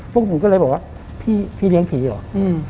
พวกผมก็เลยบอกว่าพี่เลี้ยงผีเหรอ